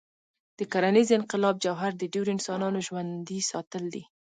د کرنيز انقلاب جوهر د ډېرو انسانانو ژوندي ساتل دي.